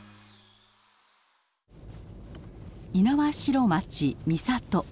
猪苗代町三郷。